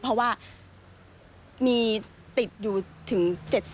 เพราะว่ามีติดอยู่ถึง๗๐